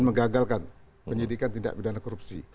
mengagalkan penyidikan tindak bidana korupsi